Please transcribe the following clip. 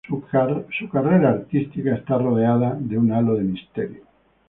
Su carrera artística está rodeada de un halo de misterio.